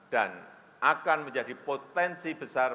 dan akan menjadi potensi besar